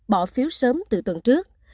bỏ phiếu sớm từ tuần trước